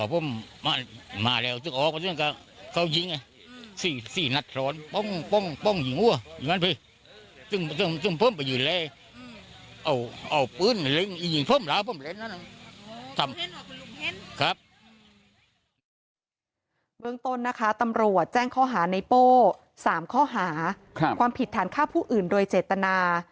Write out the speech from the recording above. เบื้องต้นนะคะตำรวจแจ้งข้อหาในโป้๓ข้อหาความผิดฐานฆ่าผู้อื่นโดยเจตนา